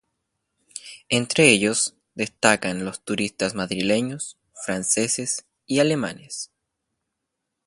Entre ellos, destacan los turistas madrileños, franceses y alemanes.